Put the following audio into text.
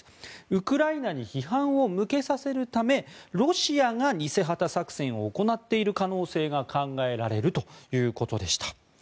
ウクライナに批判を向けさせるためロシアが偽旗作戦を行っている可能性が考えられるということでした。